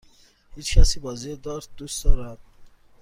هیچکسی بازی دارت دوست دارد؟